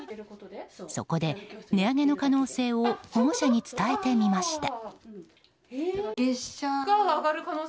そこで、値上げの可能性を保護者に伝えてみました。